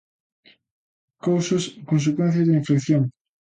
Causas e consecuencias da inflación.